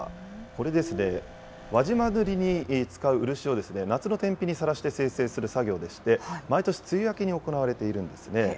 これですね、輪島塗に使う漆を夏の天日にさらして精製する作業でして、毎年梅雨明けに行われているんですね。